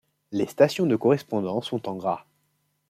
Les stations de correspondance sont en gras.